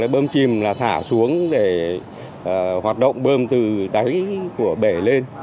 bơm chìm là thả xuống để hoạt động bơm từ đáy của bể lên